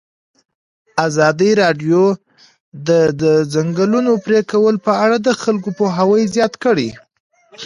ازادي راډیو د د ځنګلونو پرېکول په اړه د خلکو پوهاوی زیات کړی.